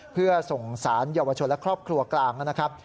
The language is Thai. เพื่อส่งสารเยาวชนและครอบครัวกลางนะครับ